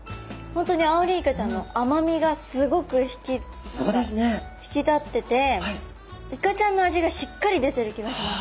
本当にアオリイカちゃんの甘みがすごく引き立っててイカちゃんの味がしっかり出てる気がします。